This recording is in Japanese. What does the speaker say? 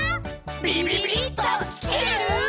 ビビビッときてる？